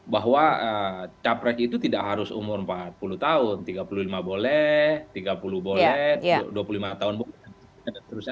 bahwa capres itu tidak harus umur empat puluh tahun tiga puluh lima boleh tiga puluh boleh dua puluh lima tahun boleh